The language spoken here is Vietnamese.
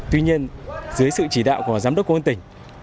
tuy nhiên dưới sự chỉ đạo của giám đốc công an tỉnh